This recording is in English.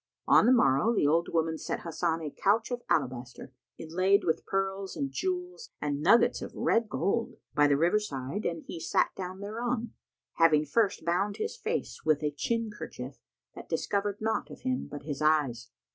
On the morrow the old woman set Hasan a couch of alabaster, inlaid with pearls and jewels and nuggets of red gold, by the river side, and he sat down thereon, having first bound his face with a chin kerchief, that discovered naught of him but his eyes.